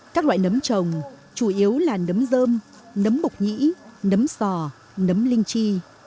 các loại nấm trồng chủ yếu là nấm dơm nấm bộc nhĩ nấm sò nấm linh chi